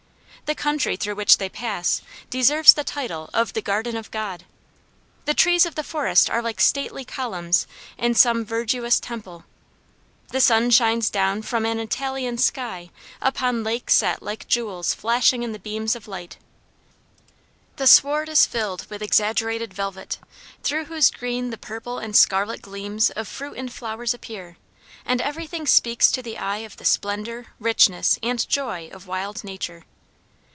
The country through which they pass deserves the title of "the garden of God." The trees of the forest are like stately columns in some verdurous temple; the sun shines down from an Italian sky upon lakes set like jewels flashing in the beams of light, the sward is filled with exaggerated velvet, through whose green the purple and scarlet gleams of fruit and flowers appear, and everything speaks to the eye of the splendor, richness, and joy of wild nature.